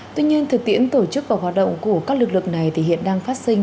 tuy nhiên thực tiễn tổ chức và hoạt động của các lực lượng này thì hiện đang phát sinh